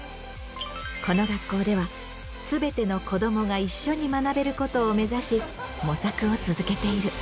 この学校ではすべての子どもが一緒に学べることを目指し模索を続けている。